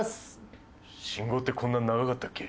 信号ってこんな長かったっけ？